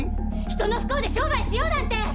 人の不幸で商売しようなんて！